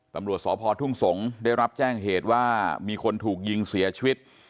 ตำรวจสพทุ่งสงศ์ได้รับแจ้งเหตุว่ามีคนถูกยิงเสียชีวิต